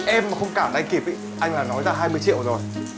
em mà không cảm anh kịp anh là nói ra hai mươi triệu rồi